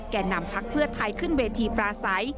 แก่นำพักเพื่อไทยขึ้นเวทีปราศัย